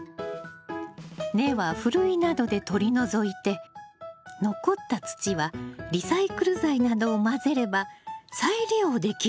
根はふるいなどで取り除いて残った土はリサイクル剤などを混ぜれば再利用できるわよ。